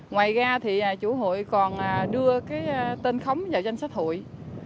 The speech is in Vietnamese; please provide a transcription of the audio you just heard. ngoài ra thì chủ hội còn đưa cái tên khống vào danh sách hội